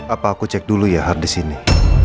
apa aku cek dulu ya artis ini